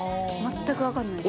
全く分からない。